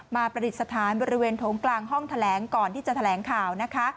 ประดิษฐานบริเวณโถงกลางห้องแถลงก่อนที่จะแถลงข่าวนะคะ